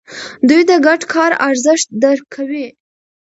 دوی د ګډ کار ارزښت درک کوي.